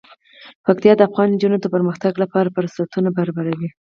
پکتیا د افغان نجونو د پرمختګ لپاره فرصتونه برابروي.